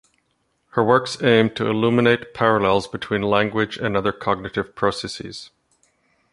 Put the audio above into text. Her works aim to illuminate parallels between language and other cognitive processes.